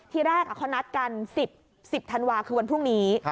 ทีแรกเขานัดกัน๑๐ธันวาคคือวันพรุ่งนี้